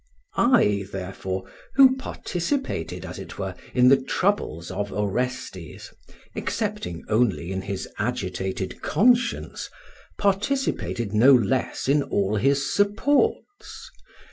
I therefore, who participated, as it were, in the troubles of Orestes (excepting only in his agitated conscience), participated no less in all his supports.